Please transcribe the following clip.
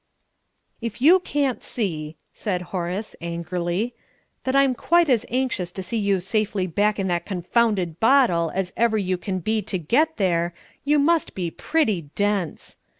"If you can't see," said Horace, angrily, "that I'm quite as anxious to see you safely back in that confounded bottle as ever you can be to get there, you must be pretty dense!